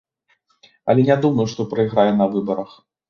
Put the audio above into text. Але не думаю, што прайграе на выбарах.